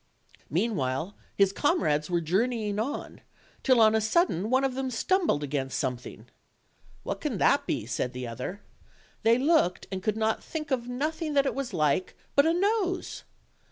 Meantime his comrades were journeying on, till on a 62 OLD, OLD FAIRY TALES. sudden one of them stumbled against something. "What can that be?" said the other. They looked, and could think of nothing that it was like but a nose.